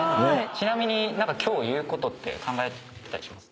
ちなみに今日言うことって考えてたりしてます？